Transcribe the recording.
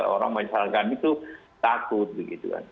orang masyarakat itu takut